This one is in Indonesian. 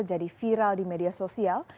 jadi viral di media sosial